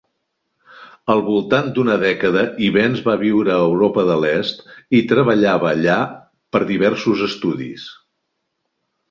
Al voltant d'una dècada Ivens va viure a Europa de l'Est i treballava allà per diversos estudis.